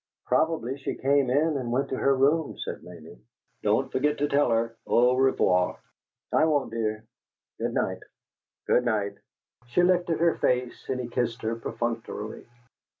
"Probably she came in and went to her room," said Mamie. "Don't forget to tell her 'au revoir.'" "I won't, dear. Good night." "Good night." She lifted her face and he kissed her perfunctorily.